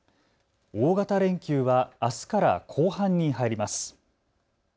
大型連休はあすから後半に入ります。